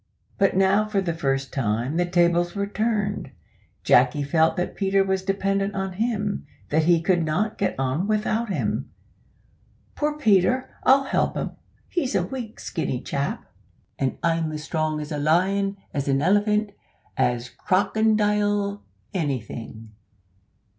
But now, for the first time, the tables were turned. Jacky felt that Peter was dependent on him that he could not get on without him. "Poor Peter, I'll help him he's a weak skinny chap, and I'm strong as a lion as a elephant as a crokindile anything!